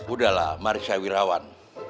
udahlah marisya wirawan